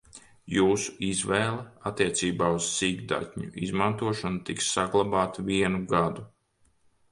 Jūsu izvēle attiecībā uz sīkdatņu izmantošanu tiks saglabāta vienu gadu.